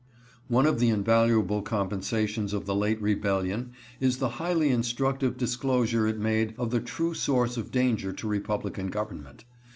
One of the invaluable compensations of the late Rebellion is the highly instructive disclosure it made of the true source of danger to republican government.